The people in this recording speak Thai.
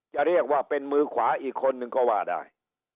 จะเรียกว่าเป็นมือขวาอีกคนนึงก็ว่าได้